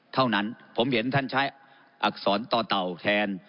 เท่านั้นผมเห็นท่านใช้อักษรต่อเต่าแทน